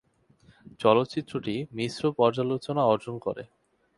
চলচ্চিত্রটি মিশ্র পর্যালোচনা অর্জন করে।